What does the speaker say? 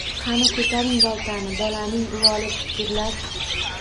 Qani ko’taring boltani, bolaning uvoli tutgurlar!